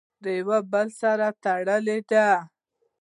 يو د بل سره تړلي دي!!.